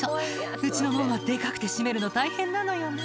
「うちの門はデカくて閉めるの大変なのよね」